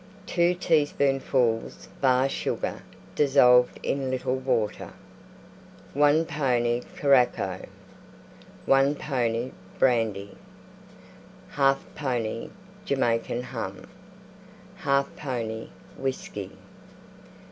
2 teaspoonfuls Bar Sugar dissolved in little Water. 1 pony Curacoa. 1 pony Brandy. 1/2 pony Jamaica Hum. 1/2 pony Whiskey.